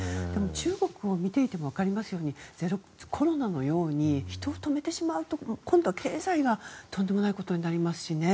中国を見ていてもわかりますようにゼロコロナのように人を止めてしまうと今度は経済がとんでもないことになりますしね。